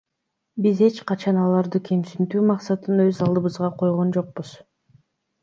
Биз эч качан аларды кемсинтүү максатын өз алдыбызга койгон жокпуз.